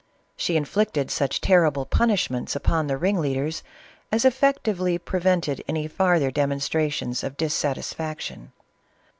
She inflicted such terrible punishments upon the ringleaders, as effectually pre vented any farther demonstrations of dissatisfaction.